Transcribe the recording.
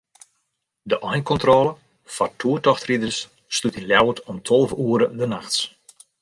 De einkontrôle foar toertochtriders slút yn Ljouwert om tolve oere de nachts.